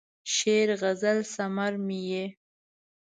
شعر، غزل ثمر مې یې